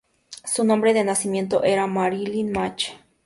Su nombre de nacimiento era Marilyn Mach.